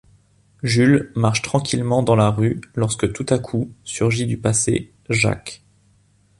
Jules marche tranquillement dans la rue, lorsque tout à coup, surgit du passé Jacques.